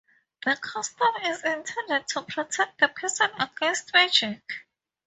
The custom is intended to protect the person against magic.